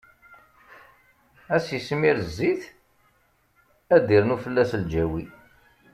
Ad s-ismir zzit, ad d-irnu fell-as lǧawi.